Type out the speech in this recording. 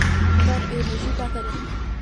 لمر انرژي پاکه ده.